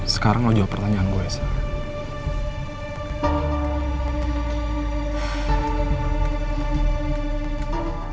sekarang mau jawab pertanyaan gue sih